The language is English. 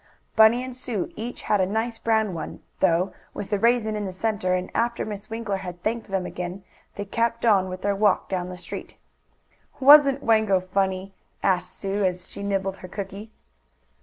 Bunny and Sue each had a nice brown one, though, with a raisin in the centre, and, after Miss Winkler had thanked them again, they kept on with their walk down the street. "Wasn't Wango funny?" asked Sue, as she nibbled her cookie.